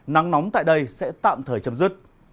nắng nóng tại đây sẽ tạm thời chấm dứt